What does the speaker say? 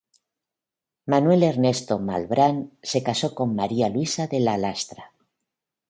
Manuel Ernesto Malbrán se casó con María Luisa de la Lastra.